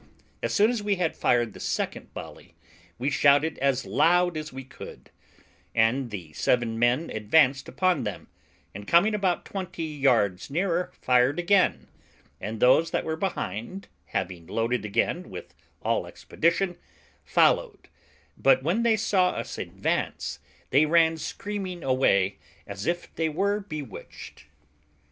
As soon as we had fired the second volley, we shouted as loud as we could, and the seven men advanced upon them, and, coming about twenty yards nearer, fired again, and those that were behind having loaded again with all expedition, followed; but when they saw us advance, they ran screaming away as if they were bewitched.